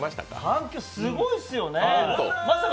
反響すごいっすよね。